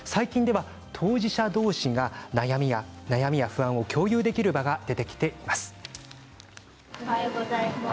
当事者同士が悩みや不安を共有できる場も出てきています。